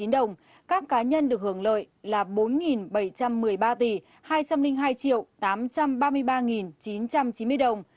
một bốn trăm bảy mươi hai tám trăm ba mươi chín đồng các cá nhân được hưởng lợi là bốn bảy trăm một mươi ba tỷ hai trăm linh hai tám trăm ba mươi ba chín trăm chín mươi đồng